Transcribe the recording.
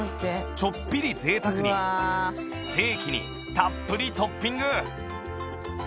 ちょっぴり贅沢にステーキにたっぷりトッピング